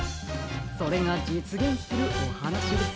それがじつげんするおはなしです。